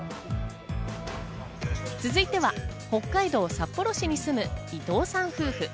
続いては北海道札幌市に住む伊藤さん夫婦。